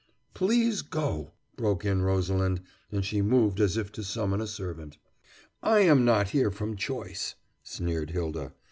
"Please go!" broke in Rosalind, and she moved as if to summon a servant. "I am not here from choice," sneered Hylda.